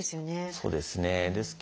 そうですね。